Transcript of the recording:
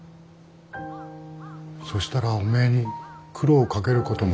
そしたらおめえに苦労かけることも。